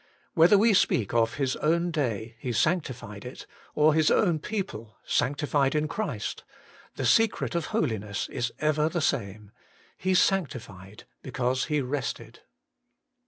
Whether we speak of His own day, ' He sanctified it,' or His own people ' sanctified in Christ,' the secret of Holiness is ever the same :' He sanctified because he rested.'